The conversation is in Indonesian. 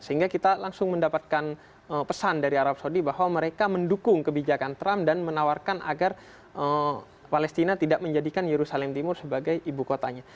sehingga kita langsung mendapatkan pesan dari arab saudi bahwa mereka mendukung kebijakan trump dan menawarkan agar palestina tidak menjadikan yerusalem timur sebagai ibu kotanya